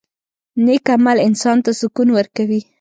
• نیک عمل انسان ته سکون ورکوي.